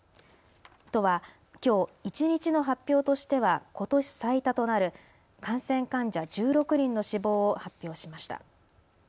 都はきょう、一日の発表としてはことし最多となる感染患者１６人の死亡を発表しました。